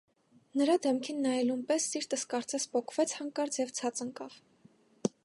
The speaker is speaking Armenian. Նրա դեմքին նայելուն պես սիրտս կարծես պոկվեց հանկարծ և ցած ընկավ: